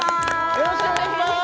よろしくお願いします！